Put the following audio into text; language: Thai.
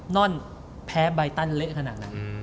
นอนแพ้ใบตันเละขนาดนั้น